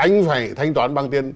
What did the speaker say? anh phải thanh toán bằng tiền